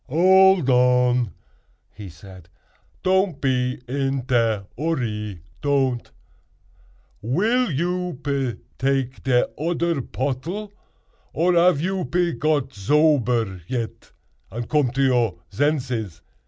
"Old on!" he said; "don't pe in te urry—don't. Will you pe take de odder pottle, or ave you pe got zober yet and come to your zenzes?"